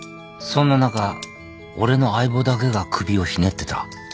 そんな中俺の相棒だけが首をひねってた。